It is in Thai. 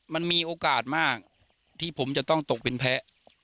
มันมีโอกาสมากที่ผมจะต้องตกเป็นแพ้